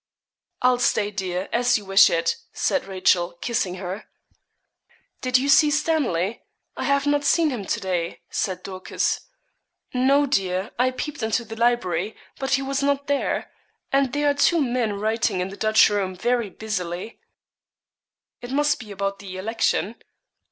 'I'll stay, dear, as you wish it,' said Rachel, kissing her. 'Did you see Stanley? I have not seen him to day,' said Dorcas. 'No, dear; I peeped into the library, but he was not there; and there are two men writing in the Dutch room, very busily,' 'It must be about the election.'